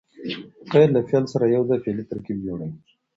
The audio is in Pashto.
قید له فعل سره یوځای فعلي ترکیب جوړوي.